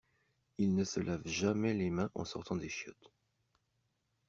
Il ne se lave jamais les mains en sortant des chiottes.